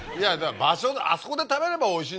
場所あそこで食べればおいしいんだよ。